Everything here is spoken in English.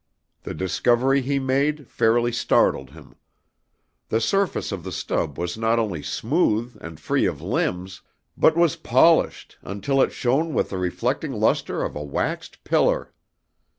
The discovery he made fairly startled him. The surface of the stub was not only smooth and free of limbs, but was polished until it shone with the reflecting luster of a waxed pillar!